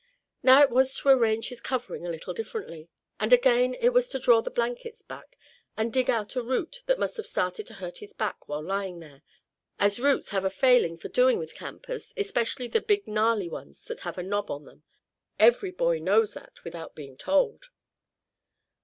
Now it was to arrange his covering a little differently; and again it was to draw the blankets back and dig out a root that must have started to hurt his back while lying there, as roots have a failing for doing with campers, especially the big gnarly ones that have a knob on them every boy knows that without being told.